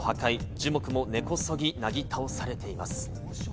樹木も根こそぎなぎ倒されています。